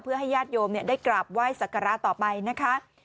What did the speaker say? เพื่อให้ญาติโยมได้กราบไหว้สักการะต่อไปนะคะ